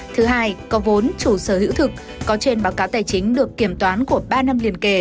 thứ hai có vốn chủ sở hữu thực có trên báo cáo tài chính được kiểm toán của ba năm liên kề